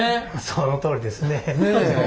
そのとおりですね。